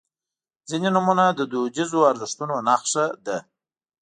• ځینې نومونه د دودیزو ارزښتونو نښه ده.